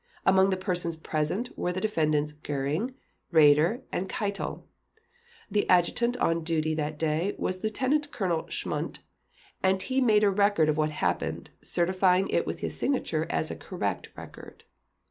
Among the persons present were the Defendants Göring, Raeder, and Keitel. The adjutant on duty that day was Lieutenant Colonel Schmundt, and he made a record of what happened, certifying it with his signature as a correct record.